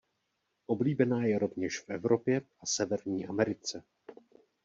Oblíbená je rovněž v Evropě a Severní Americe.